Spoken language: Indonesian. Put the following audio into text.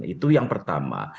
itu yang pertama